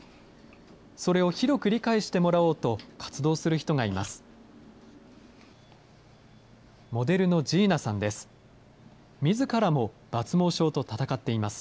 それを広く理解してもらおうと、活動する人がいます。